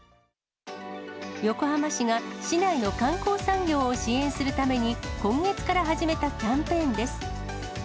横浜市が市内の観光産業を支援するために、今月から始めたキャンペーンです。